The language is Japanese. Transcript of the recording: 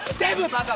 バカ！